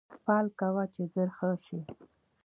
پال کوه چې زر ښه شې